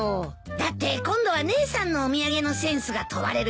だって今度は姉さんのお土産のセンスが問われるからね。